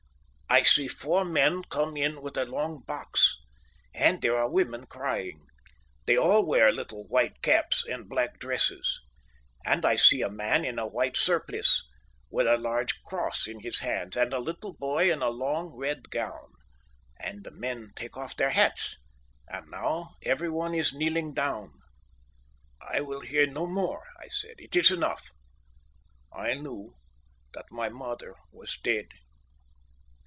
"'I see four men come in with a long box. And there are women crying. They all wear little white caps and black dresses. And I see a man in a white surplice, with a large cross in his hands, and a little boy in a long red gown. And the men take off their hats. And now everyone is kneeling down.' "'I will hear no more,' I said. 'It is enough.' "I knew that my mother was dead.